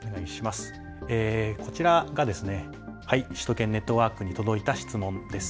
こちらが首都圏ネットワークに届いた質問です。